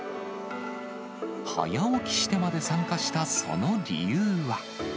早起きしてまで参加したその理由は。